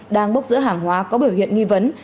đang bốc giữa hàng hóa có biểu hiện nghi vấn